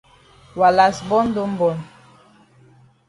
Wa kas born don born.